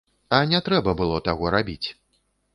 А не трэба было таго рабіць.